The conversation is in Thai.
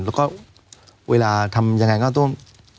แล้วก็เวลาทำยังไงก็ต้อง